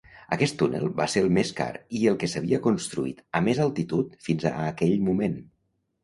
Aquest túnel va ser el més car i el que s'havia construït a més altitud fins a aquell moment.